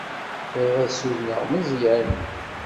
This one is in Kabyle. Bɣiɣ ad ssudneɣ Meẓyan.